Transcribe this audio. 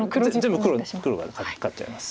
全部黒が勝っちゃいます。